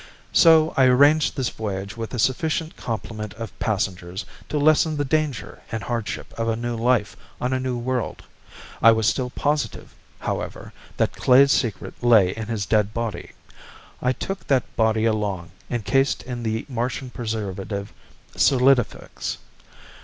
So I arranged this voyage with a sufficient complement of passengers to lessen the danger and hardship of a new life on a new world. I was still positive, however, that Klae's secret lay in his dead body. I took that body along, encased in the Martian preservative, solidifex.